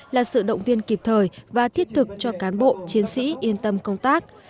là sự động viên kịp thời và thiết thực cho cán bộ chiến sĩ yên tâm công tác